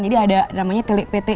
jadi ada namanya tilik pilih